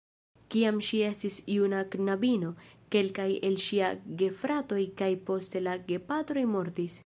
Kiam ŝi estis juna knabino, kelkaj el ŝiaj gefratoj kaj poste la gepatroj mortis.